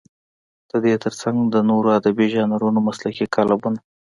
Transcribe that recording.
د دې تر څنګ د نورو ادبي ژانرونو مسلکي قالبونه.